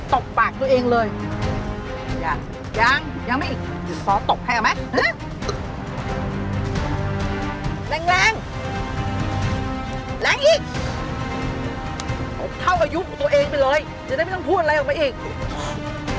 ตกปากตัวเองเลย